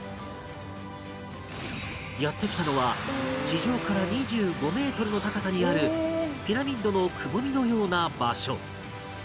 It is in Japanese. やって来たのは地上から２５メートルの高さにあるピラミッドのくぼみのような場所